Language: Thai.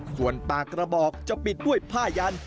ส่วนปากกระบอกจะปิดด้วยผ้ายัน